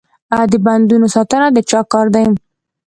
د بندونو ساتنه د چا کار دی؟